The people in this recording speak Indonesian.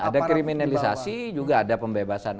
ada kriminalisasi juga ada pembebasan